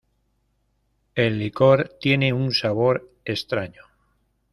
El licor tiene un sabor extraño.